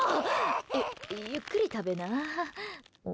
ゆ、ゆっくり食べな。